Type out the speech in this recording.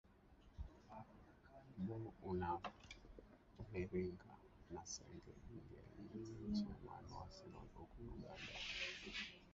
nbow uwairinga na senge mngenyi chairman wa arsenal huku uganda